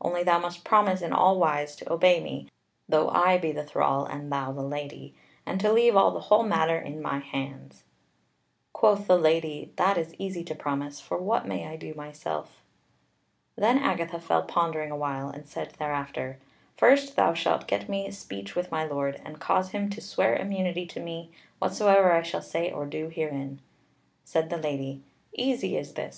Only thou must promise in all wise to obey me, though I be the thrall, and thou the Lady, and to leave all the whole matter in my hands." Quoth the Lady: "That is easy to promise; for what may I do by myself?" Then Agatha fell pondering a while, and said thereafter: "First, thou shalt get me speech with my Lord, and cause him to swear immunity to me, whatsoever I shall say or do herein." Said the Lady: "Easy is this.